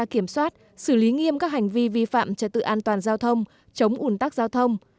kiểm soát xử lý nghiêm các hành vi vi phạm trật tự an toàn giao thông chống ủn tắc giao thông